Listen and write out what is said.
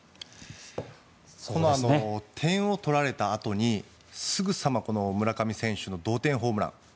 点を取られたあとにすぐさま村上選手の同点ホームラン。